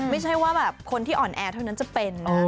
ไม่ใช่ว่าแบบคนที่อ่อนแอเท่านั้นจะเป็น